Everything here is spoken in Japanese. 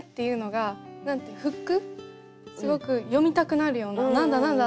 すごく読みたくなるような「何だ何だ？」